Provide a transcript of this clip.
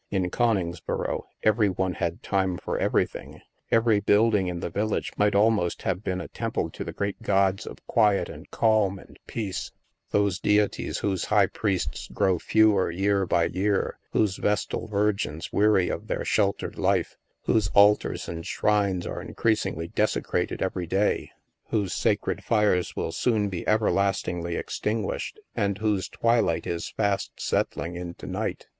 In Coningsboro, every one had time for everything. Every building in the village might almost have been a temple to the great gods of Quiet and Calm and Peace — those deities whose high priests grow fewer year by year, whose vestal virgins weary of their sheltered life, whose altars and shrines are increas ingly desecrated every day, whose sacred fires will i 12 THE MASK soon be everlastingly extinguished, and whose twi light is fast settling into night.